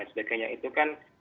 dan sebagainya itu kan